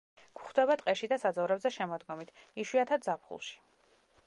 გვხვდება ტყეში და საძოვრებზე შემოდგომით, იშვიათად ზაფხულში.